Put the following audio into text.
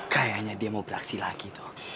kayaknya dia mau beraksi lagi tuh